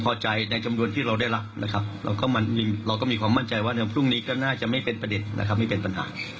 แต่มันอาจจะไม่เป็นประเด็นไม่เป็นปัญหา